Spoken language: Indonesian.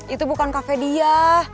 itu bukan kafe dia